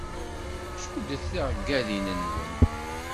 Cuddet tiɣggaḍin-nwen.